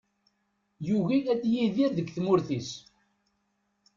Yugi ad yidir deg tmurt-is.